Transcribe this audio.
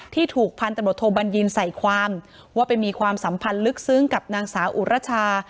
ที่ถูกพันตำรวจโทบัญญินใส่ความว่าไปมีความสัมพันธ์ลึกซึ้งกับนางสาวอุรชา